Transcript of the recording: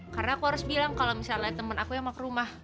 karena aku harus bilang kalau misalnya temen aku yang mau ke rumah